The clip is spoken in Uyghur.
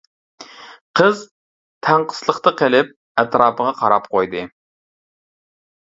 قىز تەڭقىسلىقتا قېلىپ، ئەتراپىغا قاراپ قويدى.